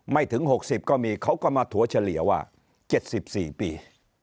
ถึง๖๐ก็มีเขาก็มาถั่วเฉลี่ยว่า๗๔ปี